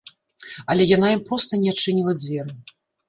Але яна ім проста не адчыніла дзверы.